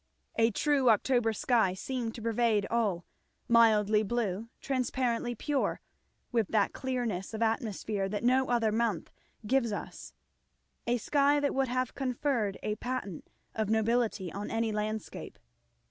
A true October sky seemed to pervade all, mildly blue, transparently pure, with that clearness of atmosphere that no other month gives us; a sky that would have conferred a patent of nobility on any landscape.